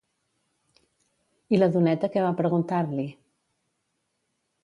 I la doneta què va preguntar-li?